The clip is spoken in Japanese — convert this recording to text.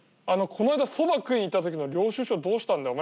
この間そば食いに行ったときの領収書どうしたんだよ。